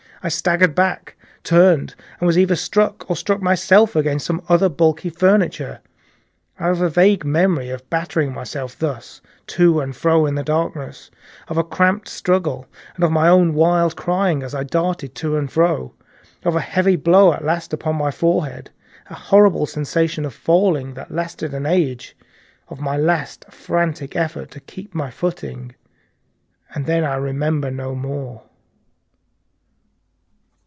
I staggered back, turned, and was either struck or struck myself against some other bulky furnishing. I have a vague memory of battering myself thus to and fro in the darkness, of a heavy blow at last upon my forehead, of a horrible sensation of falling that lasted an age, of my last frantic effort to keep my footing, and then I remember no more.